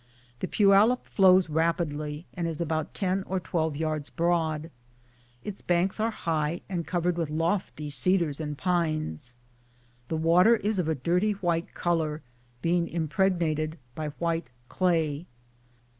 The Poyallip flows rapidly and is about 10 or 12 yards broad. Its banks are high and covered with lofty cedars and pines. The water is of a dirty white colour, being impregnated by white clay.